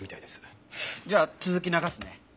じゃあ続き流すね。